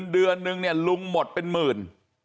เดือนนึงลุงหมดเป็นหมื่น